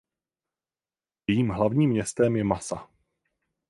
Jejím hlavním městem je Massa.